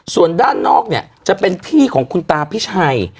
ส่วนด้านนอกเนี่ยจะเป็นที่ของคุณตาพิชัย